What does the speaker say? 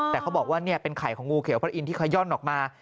แต่เขาบอกว่าเป็นไข่ของงูเขียวพระอินทย่อนออกมา